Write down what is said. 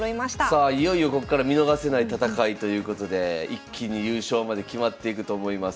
さあいよいよこっから見逃せない戦いということで一気に優勝まで決まっていくと思います。